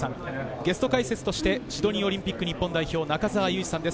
ゲスト解説としてシドニーオリンピック日本代表・中澤佑二さんです。